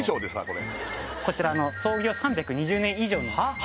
これこちら創業３２０年以上のはっ？